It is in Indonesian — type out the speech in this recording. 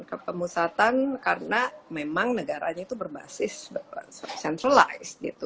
kepemusatan karena memang negaranya itu berbasis centralize gitu